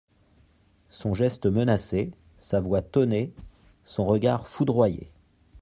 Son geste menaçait, sa voix tonnait, son regard foudroyait.